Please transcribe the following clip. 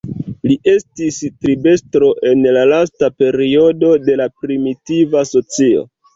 Li estis tribestro en la lasta periodo de la primitiva socio.